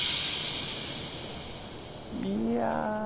いや。